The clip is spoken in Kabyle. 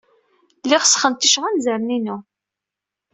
Lliɣ sxenticeɣ anzaren-inu.